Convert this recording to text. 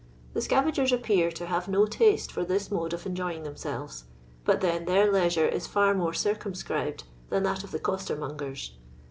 The scavagers appear to hare no taste for this mode of enjoying them selves ; but then their leisure is far more circum scribed than that of the costermongers.